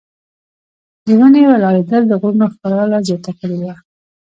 د ونې ولاړېدل د غرونو ښکلا لا زیاته کړې وه.